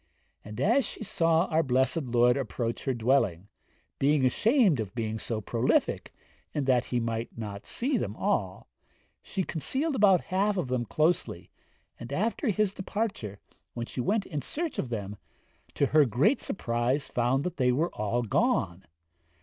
and as she saw our blessed Lord approach her dwelling, being ashamed of being so prolific, and that He might not see them all, she concealed about half of them closely, and after his departure, when she went in search of them, to her great surprise found they were all gone.